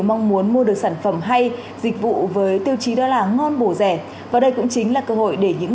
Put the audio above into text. mới là một lần anh ấy đi về về là một cái xe đó đầy luôn